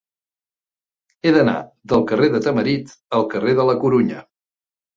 He d'anar del carrer de Tamarit al carrer de la Corunya.